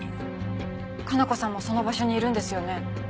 加奈子さんもその場所にいるんですよね？